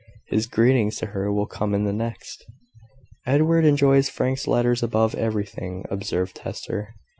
His greetings to her will come in the next." "Edward enjoys Frank's letters above everything," observed Hester.